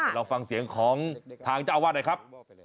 ลองฟังเสียงของทางเจ้าอาวาสหน่อยครับ